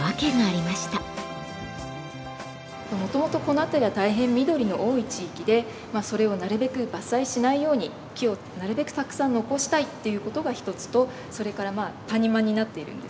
もともとこの辺りは大変緑の多い地域でそれをなるべく伐採しないように木をなるべくたくさん残したいっていう事が一つとそれからまあ谷間になっているんですが。